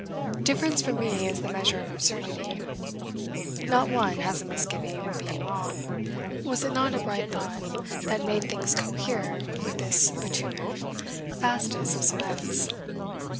Difference from me is the measure of absurdity. Not one has a misgiving of being wrong. Was it not a bright thought that made things cohere with this bitumen, fastest of cements?